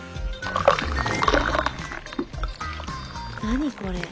何これ？